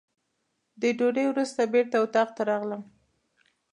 د ډوډۍ وروسته بېرته اتاق ته راغلم.